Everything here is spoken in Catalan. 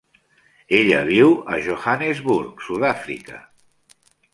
Ella viu a Johannesburg, Sud-àfrica.